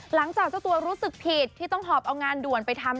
เจ้าตัวรู้สึกผิดที่ต้องหอบเอางานด่วนไปทำ